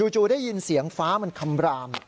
จู่ได้ยินเสียงฟ้ามันคำราม